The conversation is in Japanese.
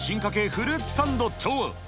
フルーツサンドとは。